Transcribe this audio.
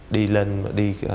đi lên đối tượng xã hội bên ngoài